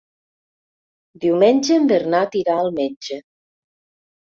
Diumenge en Bernat irà al metge.